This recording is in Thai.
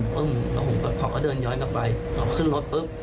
ผมก็เขาก็เดินย้อยกลับไปเขาก็ขึ้นรถปุ๊บ